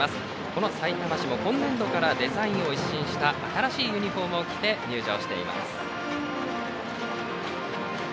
このさいたま市も今年度からデザインを一新した新しいユニフォームを着て入場しています。